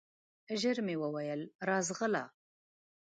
ژر مي وویل ! راځغله